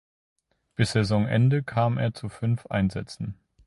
Bis Saisonende kam er zu fünf Einsätzen.